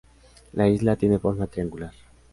La isla tiene forma triangular.